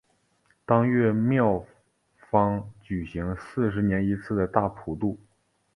当月庙方举行四十年一次的大普度。